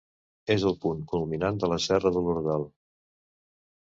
És el punt culminant de la Serra de l'Ordal.